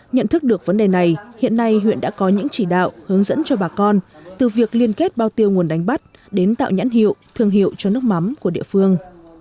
nhận thức được vấn đề này hiện nay huyện đã có những chỉ đạo hướng dẫn cho bà con từ việc liên kết bao tiêu nguồn đánh bắt đến tạo nhãn hiệu thương hiệu cho nước mắm của địa phương